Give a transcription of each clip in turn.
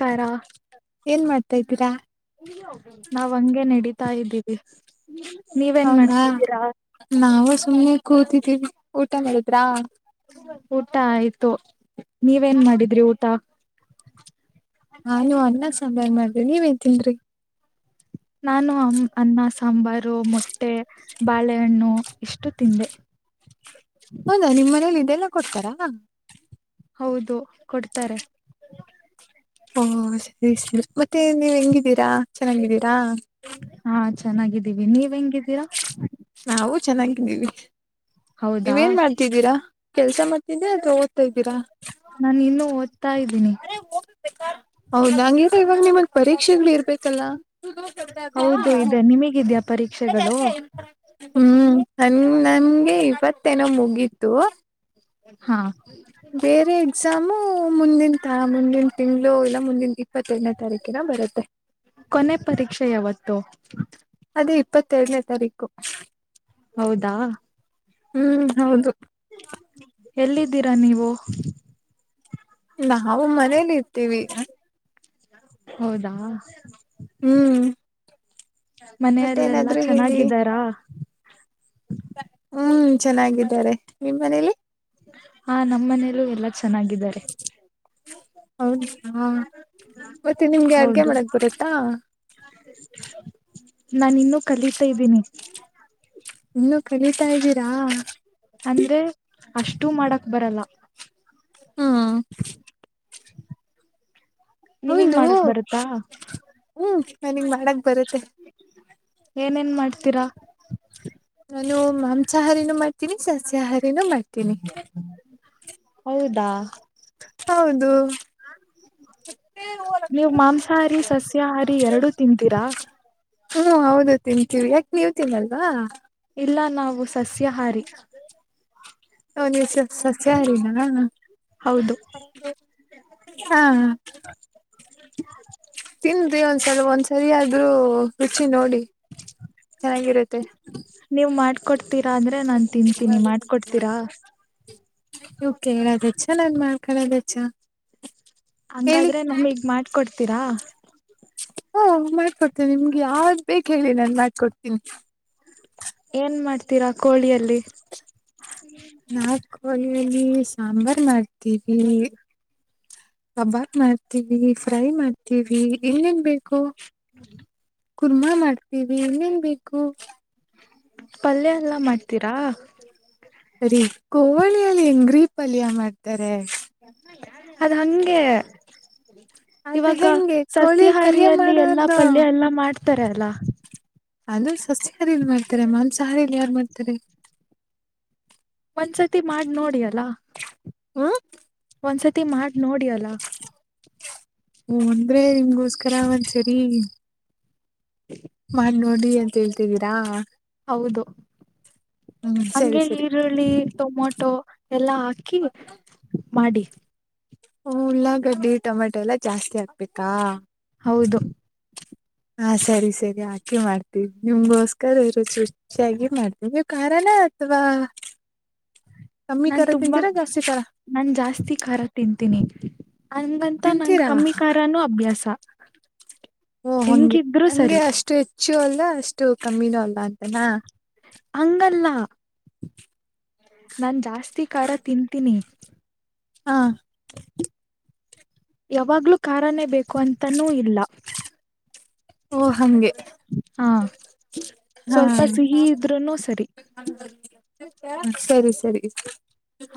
ಕೈರ ಏನ್ ಮಾಡ್ತಾ ಇದ್ದೀರಾ [inaudible] ನಾವ್ ಹಂಗೆ ನಡೀ ತಾದೀವಿ. ಹೌದಾ ನಾವವು ಸುಮ್ಮನೆ ಕೂತಿದ್ದೀವಿ. ಊಟ ಮಾಡಿದ್ರಾ [inaudible] ಊಟ ಆಯ್ತು ನೀವೇನ್ ಮಾಡಿದ್ರಿ ಊಟ. ನಾನು ಅನ್ನ ಸಾಂಬಾರ್ ಮಾಡ್ದೆ ನೀವೇನ್ ತಿಂದ್ರಿ ನಾನು ಅ ಅನ್ನ ಸಾಂಬಾರು ಮೊಟ್ಟೆ ಬಾಳೆಹಣ್ಣು ಇಷ್ಟು ತಿಂದೆ. ಹೌದಾ ನಿಮ್ ಮನೇಲಿ ಇದೆಲ್ಲ ಕೊಡ್ತಾರಾ. ಹೌದು ಕೊಡ್ತಾರೆ. ಹಓ ಸರಿ ಸರಿ ಮತ್ತೆ ನೀವ್ ಹೆಂಗಿದ್ದೀರಾ ಚೆನ್ನಾಗಿದ್ದೀರಾ. ಹಾ ಚೆನ್ನಾಗಿದ್ದೀವಿ ನೀವ್ ಹೆಂಗಿದ್ದೀರಾ. ನೀವ್ ಹೌದಾ ನೀವೇಏನ್ ಮಾಡ್ತಿದ್ದೀರಾ ಕೆಲ್ಸ ಮತ್ತೆ. ಅಥವಾ ಓದ್ತಾ ಇದ್ದೀರಾ ಓದುತಿನಿ. [unintelligible] ಹೌದ ಇವಾಗ ನಿಮಗ್ ಪರೀಕ್ಷೆಗಳು ಇರ್ಬೇಕಲ್ಲ. ಹೌದು ಇದೆ ನಿಮಗಿದ್ಯಾ ಪರೀಕ್ಷೆಗಳು. ಹ್ಮ್ ನನ್ ನಂಗೆ ಇಪ್ಪತ್ತನೋ ಮುಗಿತ್ತು. ಹಾ ಬೇರೆ ಎಕ್ಸಾಮು ಮುಂದಂತ ಮುಂದಿನ ತಿಂಗಳು ಇಲ್ಲ ಮುಂದಿನ. ಇಪ್ಪತ್ತೆದ್ನೇ ತಾರೀಕಿನ ಬರುತ್ತೆ. ಕೊನೆ ಪರೀಕ್ಷೆ ಯಾವತ್ತು [inaudible] ಅದೇ ಇಪ್ಪತ್ತೆರಡನೇ ತಾರೀಕು. ಹೌದಾ. ಹ್ಮ್ ಹೌದು. ಎಲ್ಲಿದ್ದೀರಾ ನೀವು. ನಾವು ಮನೇಲಿ ಇರ್ತೀವಿ. ಹೌದಾ. ಹ್ಮ್ ಮತ್ತೆ ಮನೆಯಲ್ಲೆಲ್ಲಾ ಏನಾದ್ರು ಹೇಳಿ ಚೆನ್ನಾಗಿದ್ದಾರಾ. ಹ್ಮ್ ಚೆನ್ನಾಗಿದ್ದಾರೆ ನಿಮ್ಮ್ ಮನೇಲಿ. ಹ ನಮ್ಮ ಮನೇಲ್ಲೂ ಎಲ್ಲಾ ಚೆನ್ನಾಗಿದ್ದಾರೆ. ಹೌದಾ ಮತ್ತೆ ನಿಮ್ಗೆ ಅಡ್ಗೆ ಮಾಡಕ್ ಬರತ್ತಾ. ನಾನ ಇನ್ನುೂ ಕಲೀಿತಾ ಇದ್ದೀನಿ. ಇನ್ನುೂ ಕಲಿತಾ ಇದ್ದೀರಾ. ಅಂದ್ರೆ ಅಷ್ಟು ಮಾಡಕ್ ಬರಲ್ಲ. ಹ್ಮ ನಿಮುಗ್ ಹೌದು ಮಾಡಕ್ ಬರುತ್ತಾ. ಹ್ಮ್ ನನಗ್ ಮಾಡಕ್ ಬರುತ್ತೆ ಏನೇನ್ ಮಾಡ್ತೀರಾ. ನಾನು ಮಾಂಸಾಹಾರಿನೂ ಮಾಡ್ತೀನಿ ಸಸ್ಯಾಹಾರಿನೂ ಮಾಡ್ತೀನಿ. ಹೌದಾ ಹೌದು ನೀವು ಮಾಂಸಾಹಾರಿ ಸಸ್ಯಾಹಾರಿ ಎರಡುೂ ತಿಂತೀರಾ. ಹ್ಮ್ ಹೌದು ತಿಂತೀವಿ ಯಾಕೆ ನೀವ ತಿನ್ನಲ್ವಾ. ಇಲ್ಲ ನಾವು ಸಸ್ಯಹಾರಿ. ಅವ ನೀವ್ ಸಸ್ಯಹಾರಿ ನಾ ಹೌದು ಹಾ ತಿಂದಿ ಒಂದ್ಸಲ ಒಂದ್ಸರಿಯಾದ್ರೂ ರುಚಿ ನೋಡಿ. ಚೆನ್ನಾಗಿರುತ್ತೆ. ಕೊಡ್ತೀರಾಂದ್ರೆ. ಓಕೆ ಹೇಳಾದೆ ಚೆನ್ನನ್ ಮಾಡ [unintelligible] ಹಂಗಾದ್ರೆ ನಮ್ಗ್ ಮಾಡ್ಕೊಡ್ತೀರಾ ಹಾ ಮಾಡ್ಕೊಡ್ತೇನಿ ನಿಮ್ಗೆ ಯಾವ್ದ್ ಬೇಕ ಹೇಳಿ ನಾನ್ ಮಾಡ್ಕೊಡ್ತೀನಿ ಏನ್ ಮಾಡ್ತೀರಾ ಕೋಳಿಯಲ್ಲಿ ಲ್ಲಿ ಸಾಂಬಾರ್ು ಮಾಡ್ತೀವಿ ಕಬಾಬ್ ಮಾಡ್ತೀವಿ ಫ್ರೈ ಮಾಡ್ತೀವಿ ಏನೇನ್ ಬೇಕು ಹ್ಮ [unintelligible] ಕುರ್ಮಾ ಮಾಡ್ತೀವಿ ಇನ್ನೇನ್ ಬೇಕು ಪಲ್ಯ ಎಲ್ಲ ಮಾಡ್ತೀರಾ ಸರಿ ಕೋಳಿಯಲ್ಲಿ ಹೆಂಗ್ರೀ ಪಲ್ಯ ಮಾಡ್ತಾರೆ ಅದು ಹಂಗೆ ಅದು ಇವಾಗ ಹೆಂಗೆ ಕೋಳಿಲ್ ಪಲ್ಯ ಸಸ್ಯಾಹಾರಿಯಲ್ಲಿ ಎಲ್ಲಾ ಮಾಡೋದು ಪಲ್ಯ ಎಲ್ಲಾ ಮಾಡ್ತಾರ ಅಲ್ಲ ಅದು ಸಸ್ಯಾಹಾರಿಲಿ ಮಾಡ್ತಾರೆ ಮಾಂಸಾಹಾರಿಲಿ ಯಾರ್ು ಮಾಡ್ತಾರೆ ಒಂದ್ಸತಿ ಮಾಡಿ ನೋಡಿ ಅಲ್ಲ ಹ್ಮ್ ಒಂದ್ಸತಿ ತ್ತ ಮಾಡಿ ನೋಡಿ ಯಲ್ಲ ಓ ಒಂದ್ರೆ ನಿಮ್ಗೋಸ್ಕರ ಒಂದ್ ಸರಿ ಮಾಡ ನೋಡಿ ಅಂತ ಹೇಳ್ತಿದ್ದೀರಾ ಹೌದು ಹ್ಮ್ ಸರಿ ಹಂಗೆ ಸರಿ ಈರುಳ್ಳಿ ಟೊಮೊಟೊ ಎಲ್ಲಾ ಹಾಕಿ ಮಾಡಿ ಹ ಉಳ್ಳಾಗಡ್ಡಿ ಟೊಮೆಟೊ ಎಲ್ಲಾ ಜಾಸ್ತಿ ಆಕ್ಬೇಕಾ ಹೌದು ಹಾ ಸರಿ ಸರಿ ಆಾಕೆ ಮಾಡ್ತೀವಿ ನಿಮ್ಗೋಸ್ಕರ ರುಚಿ ರುಚಾಗಿ ಮಾಡ್ತೀವಿ ನೀವು ಕಾರಣ ಅಥವಾ ಕಮ್ಮಿ ನಾನ್ ಖಾರ ತುಂಬಾ ತಿಂತೀರಾ ಜಾಸ್ತಿ ಖಾರ ನಾನ್ ಜಾಸ್ತಿ ಖಾರ ತಿಂತೀನಿ ಅಂಗಂತ ನನ್ ತಿಂತೀರಾ ಕಮ್ಮಿ ಾರನುೂ ಅಭ್ಯಾಸ ಓ ಹಗೆ ಹೆಂಗಿದ್ರು ಹಂಗೆ ಸರಿ ಅಷ್ಟು ಹೆಚ್ಚು ಅಲ್ಲ ಅಷ್ಟು ಕಮ್ಮಿನೂ ಅಲ್ಲ ಅಂತನಾ ಅಂಗಲ್ಲಾ [inaudible] ನಾನ್ ಜಾಸ್ತಿ ಖಾರ ತಿಂತೀನಿ ಹಾ ಯಾವಾಗ್ಲೂ ಕಾರನೇ ಬೇಕು ಅಂತನೂ ಇಲ್ಲ ಓ ಹಂಗೆ ಹಾ ಹಾ ಸ್ವಲ್ಪ ಸಿಹಿ ಇದ್ರುನು ಸರಿ ಬೇಡ ಸರಿ ಸರಿ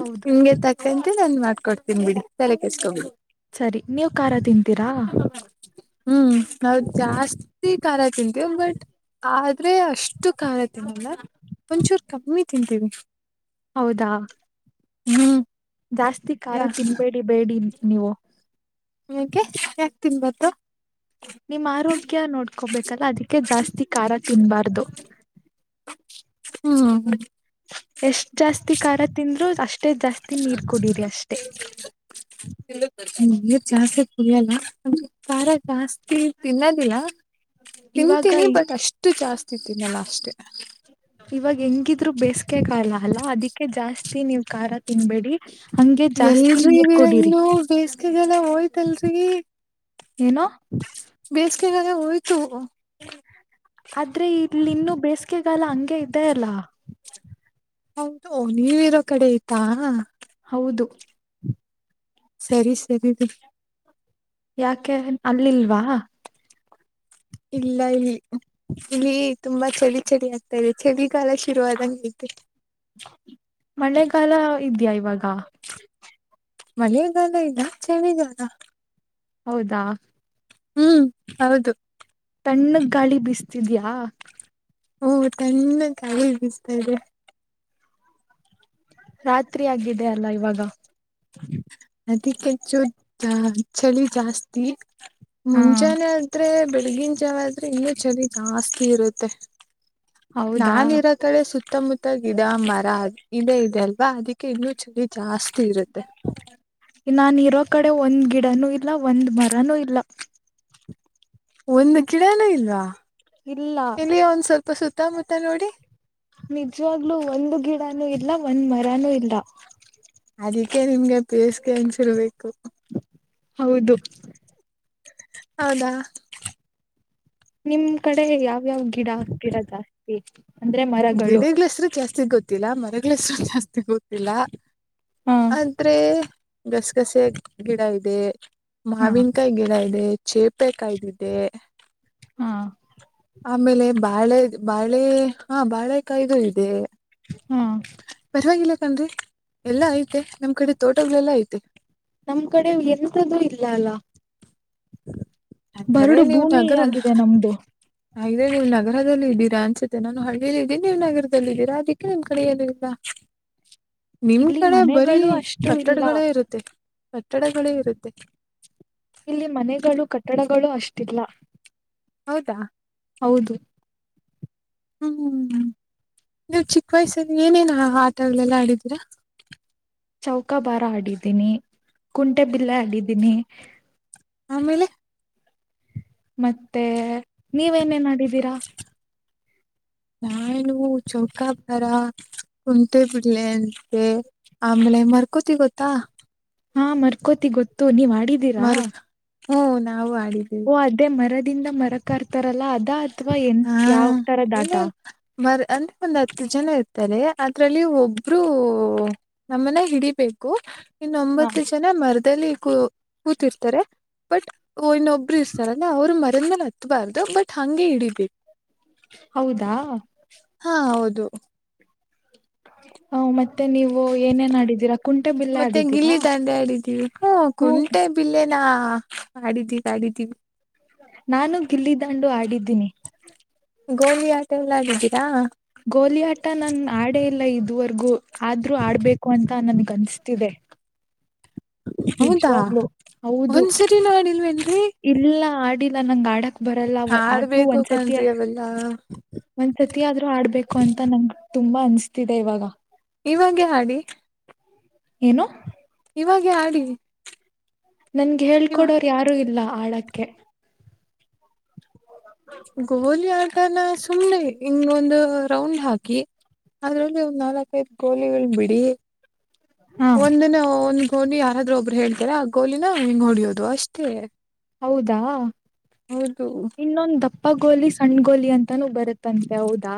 ಹೌದು ನಿಮ್ಗೆ ತಕ್ಕಂತೆ ನಂದನ್ ಮಾಡ್ಕೊಡ್ತೀನಿ ತಲೆ ಕೆಸ್ಕೊಬಿಡಿ ಸರಿ ನೀವು ಖಾರ ತಿಂತೀರಾ ಹ್ಮ್ ಹೌದ ಜಾಸ್ತಿ ಖಾಲ ತಿಂತೇವಿ ಬಟ್ ಆದ್ರೆ ಅಷ್ಟು ಖಾಲ ತಿನ್ನಲ್ಲ ಒಂಚೂರು ಕಮ್ಮಿ ತಿಂತೀವಿ ಹೌದಾ ಹ್ಮ್ ಜಾಸ್ತಿ ಖಾರ ಯಾ ತಿನ್ಬೇಡಿ ಬೇಡಿ ನೀವು ಹೆ ಯಾಕ್ ತಿನ್ಬರ್ದು ನಿಮ್ಮ್ ಆರೋಗ್ಯ ನೋಡ್ಕೋಬೇಕಲ್ಲ ಅದಕ್ಕೆ ಜಾಸ್ತಿ ಖಾರ ತಿನ್ಬಾರ್ದು ಹ್ಮ ಎಷ್ಟ್ ಜಾಸ್ತಿ ಖಾರ ತಿಂದ್ರು ಅಷ್ಟ [unintelligible] ಇಲ್ಲ ನಮ ಾರ ಜಾಸ್ತಿ ತಿನ್ನೋದಿಲ್ಲ ಇವಾಗ ತಿಂತೀನಿ ಬಟ್ ಅಷ್ಟು ಜಾಸ್ತಿ ತಿೀನಿಲ್ಲ ಅಷ್ಟೆ [unintelligible] ಇವಾಗ ಹೆಂಗಿದ್ರು ಬೇಸ್ಗೆ ಕಾಲ ಅಲ್ಲ ಅದಿಕ್ಕೆ ಜಾಸ್ತಿ ನೀವ್ ಖಾರ ತಿನ್ಬೇಡಿ ಹಂಗೆ ಜಾಸ್ತಿ ಎಲ್ರೀ ನೀರ್ ಇದ್ದೀರಾ ಕುಡೀರಿ ಇನ್ನು ಬೇಸಿಗೆಗಾಲ ಹೋಯ್ತಲ್ರೀ ಏನೋ ಹೋಯ್ತು ಆದ್ರೆ ಇಲ್ಲಿ ಇನ್ನುೂ ಬೇಸಿಗೆಗಾಲ ಹಂಗೆ ಇದ್ದೇ ಅಲ್ಲ ಹೌದು ನೀವು ಇರೋ ಕಡೆ ಆಯ್ತಾ ಹೌದು ಸರಿ ಸರಿ ಯಾಕೆ ಅಲ್ಲಿಲ್ವಾ ಇಲ್ಲ ಇಲ್ಲಿ ಇಲ್ಲಿ ತುಂಬಾ ಚಳಿ ಚಳಿ ಆಗ್ತಾ ಇದೆ ಚಳಿಗಾಲ ಶುರುವಾದಾಗ ಐತೆ ಮಳೆಗಾಲ ಇದ್ಯಾ ಇವಾಗ ಮಳೆಗಾಲ ಇಲ್ಲ ಚಳಿಗಾಲ ಹೌದಾ ಹ್ಮ್ ಹೌದು ತಣ್ಣಗೆ ಗಾಳಿ ಬಿಸ್ತಿದ್ಯಾ ಹೂ ತಣ್ಣಿಗೆ ಗಾಳಿ ಬಿಸ್ತಾ ಇದೆ ರಾತ್ರಿ ಆಗಿದೆ ಅಲ್ಲ ಇವಾಗ ಅದಿಕ್ಕೆ ಹೆಚ್ಚು ಚಳಿ ಜಾಸ್ತಿ ಹಾ ಮುಂಚಾನೆ ಆದ್ರೆ ಬೆಳಗಿನ ಜಾವ ಆದ್ರೆ ಇನ್ನ ಚಳ ಜಾಸ್ತಿ ಇರುತ್ತೆ ಹೌದಾ ನಾನಿರ ಕಡೆ ಸುತ್ತಮುತ್ತ ಗಿಡ ಮರ ಇದೆೇ ಇದೆಲ್ವಾ ಅದಿ ಇನ್ನು ಚಳಿ ಜಾಸ್ತಿ ಇರುತ್ತೆ ನಾನು ಇರೋ ಕಡೆ ಒಂದ್ ಗಿಡನು ಇಲ್ಲ ಒಂದ್ ಮರನೂ ಇಲ್ಲ ಒಂದು ಗಿಡನೂ ಇಲ್ವಾ ಇಲ್ಲ [inaudible] ಎಲ್ಲಿಯ ಒಂದ್ ಸ್ವಲ್ಪ ಸುತ್ತಮುತ್ತ ನೋಡಿ ನಿಜವಾಗ್ಲೂ ಒಂದು ಗಿಡನೂ ಇಲ್ಲ ಒಂದು ಮರನೂ ಇಲ್ಲ ಅದಕ್ಕೆ ನಿಮ್ಗೆ ಬೇಸ್ಗೆ ಅನ್ಸಿರ್ಬೇಕು ಹೌದು ಹೌದಾ ನಿಮ್ ಕಡೆ ಯಾವ್ಯಾವ್ ಗಿಡ ಹಾಕ್ತಿರಾ ಜಾಸ್ತಿ ಅಂದ್ರೆ ಮರಗಳು ಗಿಡಗಳ ಹೆಸರು ಜಾಸ್ತಿ ಗೊತ್ತಿಲ್ಲ ಮರಗಳ ಹೆಸರು ಜಾಸ್ತಿ ಗೊತ್ತಿಲ್ಲ ಹಾ ಆದ್ರೆ ಗಸಗಸೆ ಗಿಡ ಇದೆ ಹಾ ಮಾವಿನಕಾಯಿ ಗಿಡ ಇದೆ ಚೇಪೆ ಕಾಯ್ದಿದೆ ಹಾ ಆಮೇಲೆ ಬಾಳೆ ಬಾಳೆ ಹಾ ಬಾಳೆ ಕಾಯಿದ ಇದೆ ಹ್ಮ್ ಪರವಾಗಿಲ್ಲ ಕಣ್ರೀ ಎಲ್ಲಾ ಐತೆ ನಮ್ ಕಡೆ ತೋಟಗಳೆಲ್ಲಾ ಐತೆ ನಮ್ ಕಡೆ ಎಂತ್ದು ಇಲ್ಲ ಅಲ್ಲ ಅಂದ್ರೆ ಬರಡು ನೀವು ಭೂಮಿ ನಗರ [inaudible] ಆಗಿದೆ ನಮ್ದು ಹಾಗೆ ನೀವು ನಗರ ನಗರದಲ್ಲಿಲ್ಲ ಇದ್ದೀರಾ ಅನ್ಸುತ್ತತೆ ನಾನು ಹಳ್ಳಿಯಲ್ಲಿ ಇದ್ದೀನಿ ನೀವು ನಗರದದಲ್ಲಿ ಇದ್ದೀರಾ ಅದಕ್ಕೆ ನಿಮ್ ಕಡೆ ಏನೂ ಇಲ್ಲ ನಿಮ್ ಇಲ್ಲಿ ಕಡೆ ಬರೀ ಮನೆಗಳು ಅಷ್ಟು ಇಲ್ಲ ಕಟ್ಟಡಗಳೇ ಇರುತ್ತೆ ಕಟ್ಟಡಗಳೇ ಇರುತ್ತೆ ಇಲ್ಲಿ ಮನೆಗಳು ಕಟ್ಟಡಗಳೂ ಅಷ್ಟಿಲ್ಲ ಹೌದಾ ಹೌದು ಹ್ಮ್ ನೀವು ಚಿಕ್ಕ ವಯಸ್ಸಲ್ಲಿ ಏನೇನ ಆಟಗಳೆಲ್ಲ ಆಡಿದೀರಾ ಚೌಕಾ ಬಾರ ಆಡಿದ್ದೀನಿ ಕುಂಟೆ ಬಿಲ್ಲೆ ಆಡಿದ್ದೀನಿ ಆಮೇಲೆ ಮತ್ತೆ ನೀವೇನೇನ್ ಆಡಿದೀರಾ ನಾನು ಚೌಕಾಬಾರ ಕುಂಟ್ಟೆ ಬಿಲ್ಲೆ ಮತ್ತೆ ಆಮೇಲೆ ಮರ್ಕೋತಿ ಗೊತ್ತಾ ಹಾ ಮರ್ಕೋತಿ ಗೊತ್ತು ನೀವ್ ಆಡಿದ್ದೀರಾ ಹ್ಮ ನಾವು ಆಡಿದ್ದೀವಿ ದಿಂದ ಮರಕ್ ಹಾರ್ತಾರಲ್ಲ ಅದ ಹಾ ಇಲ್ಲಿ ಮ ಅಂದ್ರೆ ಒಂದ್ ಹತ್ತು ಜನ ಇತ್ತು ರೆ ಅದ್ರಲ್ಲಿ ಒಬ್ಬರು ನಮ್ಮನ್ನ ಹಿಡಿಬೇಕು ಹಾ ಇನ್ನೊಂಬತ್ತು ಜನ ಮರದಲ್ಲಿ ಕೂ ಕೂತಿರ್ತಾರೆ ಬಟ್ ಇನ್ನೊಬ್ರು ಇರ್ತಾರ ಅಂದ ಅವ್ರು ಮರದ ಮೇಲೆ ಹತ್ತಬಾರ್ದು ಬಟ್ ಹಂಗೆ ಹಿಡೀಬೇಕು ಹೌದಾ ದು ಹ ಮತ್ತೆ ಮತ್ತೆ ನೀವು ಏನೇನ್ ಆಡಿದ್ದೀರಾ ಕುಂಟೆ ಬಿಲ್ಲೆ ಮತ್ತೆ ಆಡಿದ್ದೀರಾ ಗಿಲ್ಲಿ ದಾಂಡೆ ಹ ಲ್ಲಾ ಆಡಿದ್ದೀವಿ ಆಡಿದ್ದೀವಿ ನಾನು ಗಿಲ್ಲಿದಂಡು ಆಡಿದ್ದೀನಿ ಗೋಲಿ ಆಟ ಎಲ್ಲ ಆಡಿದ್ದೀರಾ ಗೋಲಿ ಆಟ ನನ್ ಆಡೇ ಇಲ್ಲ ಇದುವರೆಗೂ ಆದ್ರೂ ಆಡ್ಬೇಕು ಅಂತ ಅಂತ ನನ್ಗ ಅನ್ಸ್ತಿದೆ ಹೌದಾ ನಿಜವಾಗ್ಲು ಹೌದು ಒಂದ್ಸರಿನೂ ಆಡಿಲ್ವೇನ್ರಿ ಇಲ್ಲ ಆಡಿಲ್ಲ ನಂಗ ಆಡ ಬರಲ್ಲ ಆದ್ರೂ ಆಡ್ಬೇಕು ಒಂದ್ಸತಿ ಕಣ್ರಿ ಅವೆಲ್ಲ ಒಂದ್ಸತಿ ಆದ್ರೂ ಆಡ್ಬೇಕು ಅಂತ ನಂಗ ತುಂಬಾ ಅನ್ಸ್ತಿದೆ ಇವಾಗ ಇವಾಗೆ ಆಡಿ ಏನು ಇವಾಗೆ ಆಡಿ ನನ್ಗೆ ಇವ ಹೇಳ್ಕೊಡೋರು ಯಾರು ಇಲ್ಲ ಆಡಕ್ಕೆ ಗೋಲಿ ಆಟಾನ ಸುಮ್ನೆ ಹಿಂಗೊಂದು ರೌಂಡ್ ಹಾಕಿ ಅದ್ರಲ್ಲಿ ಒಂದ್ ನಾಲ್ಕೈದ ಗೋಲಿಗಳು ಬಿಡಿ ಹಾ ಒಂದಿನ ಒಂದ್ ಗೋಲಿ ಯಾರಾದ್ರೂ ಒಬ್ರು ಹೇಳ್ತಾರ ಆ ಗೋಲಿನ ಹಿಂಗ್ ಹೊಡಿಯೋದು ಅಷ್ಟೇ ಹೌದಾ ಹೌದು ಇನ್ನೊಂದ ದಪ್ಪ ದಪ್ಪ ಗೋಲಿ ಸಣ್ ಗೋಲಿ ಅಂತಾನೂ ಬರುತ್ತಂತೆ ಹೌದಾ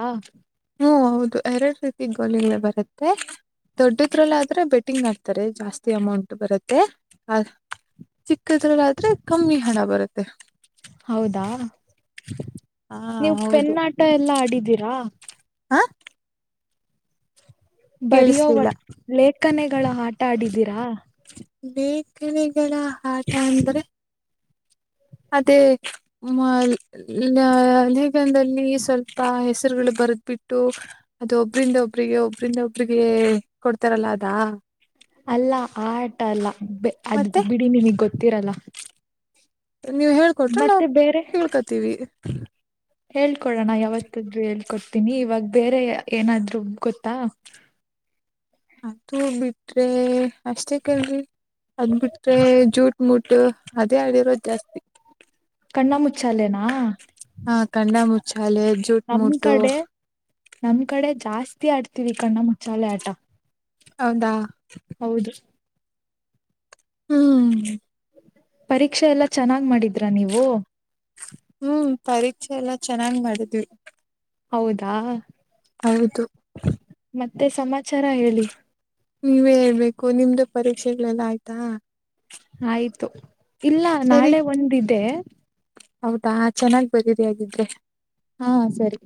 ಹ್ಮ ಹೌದು ಎರಡು ರೀತಿ ಗೋಲಿಗಳ್ ಬರುತ್ತೆ ದೊಡ್ಡದ್ರಲ್ಲ ಆದ್ರೆ ಬೆಟ್ಟಿಂಗ್ ಮಾಡ್ತಾರೆ ಜಾಸ್ತಿ ಅಮೌಂಟ್ ಬರುತ್ತೆ ಚಿಕ್ಕದ್ರಲ್ಲಾಾದೆ ಕಮ್ಮಿ ಹಣ ಬರುತ್ತೆ ಹೌದಾ ಹಾ ನೀವು ಹೌದು ಪೆನ್ನಾಟ ಎಲ್ಲಾ ಆಡಿದ್ದೀರಾ ಹಾ ಬರಿೋವ ಕೇಳಿಸ್ಲಿಲ್ಲ ಲೇಖನೆಗಳ ಆಟ ಆಡಿದೀರಾ ಲೇಖನಗಳ ಆಟ ಅಂದ್ರೆ ಅದೇ ಮ ಲೇಗದಲ್ಲಿ ಸ್ವಲ್ಪ ಹೆಸರುಗಳು ಬ ಬರ್ದ್ ಬಿಟ್ಟು ಅದು ಒಬ್ರಂದ ಒಬ್ರಿಗೆ ಒಬ್ರಂದ ಒಬ್ರಿಗೆ ಕೊಡ್ತಾರಲ್ಲ ಅದಾ ಅಲ್ಲ ಆ ಆಟ ಅಲ್ಲ ಅದ್ ಮತ್ತೆ ಬಿಡಿ ನಿಮಗ್ ಗೊತ್ತಿರಲ್ಲ ನೀವು ಹೇಳ್ಕೊಟ್ರೆ ನಾವು ಮತ್ತೆ ತಿಳ್ಕತೀವಿ ಹೇಳ್ಕೊಡಣ ಯಾವತ್ತಾದೂ ಹೇಳ್ಕೊಡ್ತೀನಿ ಇವಾಗ ಬೇರೆ ಏನಾದ್ರು ಗೊತ್ತಾ ಅದು ಬಿಟ್ರೆ ಅಷ್ಟೇ ಕೆಲ್ರಿ ಅದ್ ಬಿಟ್ರೆ ಜೂಟ್ ಮುಟ್ಟು ಅದೇ ಆಡಿರೋದ್ ಜಾಸ್ತಿ ಕಣ್ಣ ಮುಚ್ಚಾಲೆನಾ ಹಾ ಕಣ್ಣಾ ಮುಚ್ಚೆ ನಮ್ ಕಡೆ ನಮ್ ಕಡೆ ಜಾಸ್ತಿ ಆಡ್ತೀವಿ ಕಣ್ಣ ಮುಚ್ಚಾಲೆ ಆಟ ಹೌದಾ ಹೌದು ಹ್ಮ್ ಪರೀಕ್ಷೆ ಎಲ್ಲಾ ಚೆನ್ನಾಗ್ ಮಾಡಿದ್ರ ನೀವು ಹ್ಮ್ ಪರೀಕ್ಷೆ ಎಲ್ಲ ಚೆನ್ನಾಗ್ ಮಾಡಿದ್ವಿ ಹೌದಾ ಹೌದು ಮತ್ತೆ ಸಮಾಚಾರ ಹೇಳಿ ನೀವೇ ಹೇಳ್ಬೇಕು ನಿಮ್ದು ಪರೀಕ್ಷೆಗಳೆಲ್ಲ ಆಯ್ತಾ ಆಯ್ತು ಇಲ್ಲ ಸರಿ ನಾಳೆ ಒಂದಿದೆ ಹೌದಾ ಚೆನ್ನಾಗ್ ಬರೀರಿ ಹಾಗಗಿದ್ರೆ ಹಾ ಸರಿ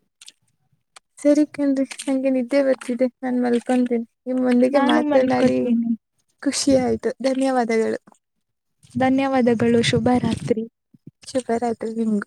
ಹಂಗೆ ನಿದ್ದೆ ಬರ್ತ್ತಿದೆ ನಾನನ್ ಮಲ್ಕೊಂಡೇನೆ ನಿಮ್ಮೊಂದಿಗೆ ನಾನು ಮಾತನಾಡಿ ಮಲ್ಕೋತೀನಿ ಖುಷಿ ಆಯ್ತು ಧನ್ಯವಾದಗಳು ಧನ್ಯವಾದಗಳು ಶುಭ ರಾತ್ರಿ ಶುಭರಾತ್ರಿ ನಿಮ್ಗೂ